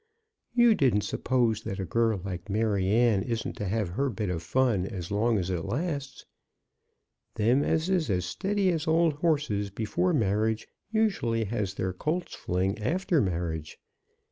You didn't suppose that a girl like Maryanne isn't to have her bit of fun as long as it lasts. Them as is as steady as old horses before marriage usually has their colt's fling after marriage.